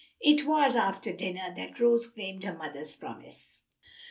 It was after dinner that Rose claimed her mother's promise.